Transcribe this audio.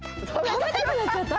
たべたくなっちゃった？